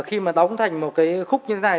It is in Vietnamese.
khi mà đóng thành một cái khúc như thế này